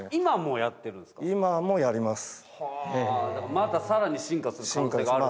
また更に進化する可能性があると？